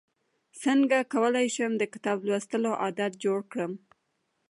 څنګه کولی شم د کتاب لوستلو عادت جوړ کړم